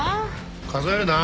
数えるな。